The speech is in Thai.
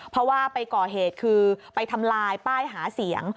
เพราะว่าไปก่อเหตุคือไปทำลายป้ายหาเสียง